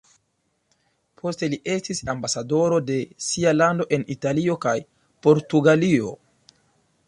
Poste li estis ambasadoro de sia lando en Italio kaj Portugalio.